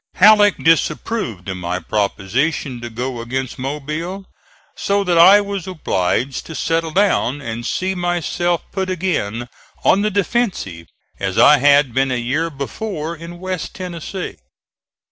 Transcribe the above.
Halleck disapproved of my proposition to go against Mobile, so that I was obliged to settle down and see myself put again on the defensive as I had been a year before in west Tennessee.